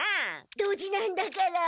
ドジなんだから。